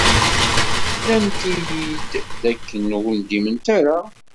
Nnant-iyi-d dakken ur ndiment ara.